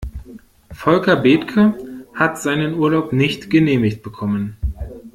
Volker Bethke hat seinen Urlaub nicht genehmigt bekommen.